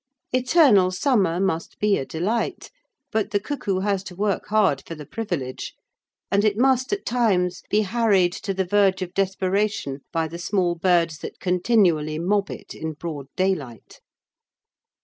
Eternal summer must be a delight, but the cuckoo has to work hard for the privilege, and it must at times be harried to the verge of desperation by the small birds that continually mob it in broad daylight.